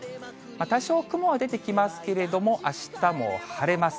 多少雲は出てきますけれども、あしたも晴れます。